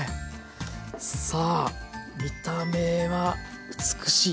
さあ見た目は美しい。